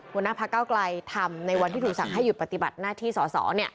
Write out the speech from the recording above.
หัวหน้าพระเก้าไกลทำในวันที่ถูกสั่งให้หยุดปฏิบัติหน้าที่สอสอ